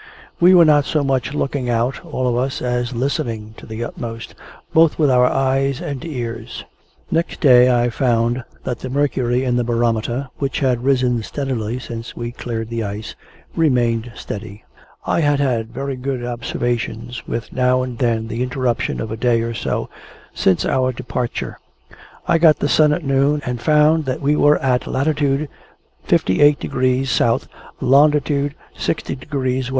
We were not so much looking out, all of us, as listening to the utmost, both with our eyes and ears. Next day, I found that the mercury in the barometer, which had risen steadily since we cleared the ice, remained steady. I had had very good observations, with now and then the interruption of a day or so, since our departure. I got the sun at noon, and found that we were in Lat. 58 degrees S., Long. 60 degrees W.